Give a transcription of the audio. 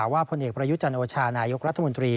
ว่าพลเอกประยุจรรย์โอชานายกรัฐมนตรี